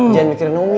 jangan mikirin naomi